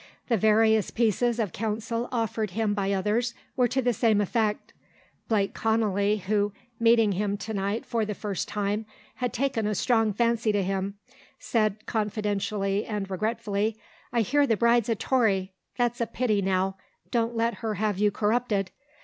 The various pieces of counsel offered him by others were to the same effect. Blake Connolly, who, meeting him to night for the first time, had taken a strong fancy to him, said confidentially and regretfully, "I hear the bride's a Tory; that's a pity, now. Don't let her have you corrupted.